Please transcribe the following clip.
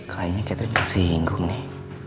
kayaknya catherine kesinggung nih